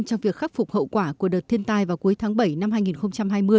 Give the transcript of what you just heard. trong việc khắc phục hậu quả của đợt thiên tai vào cuối tháng bảy năm hai nghìn hai mươi